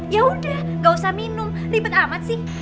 ya udah gak usah minum ribet amat sih